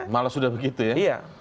malah sudah begitu ya